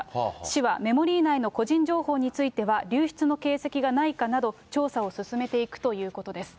市は、メモリ内の個人情報については、流出の形跡がないかなど、調査を進めていくということです。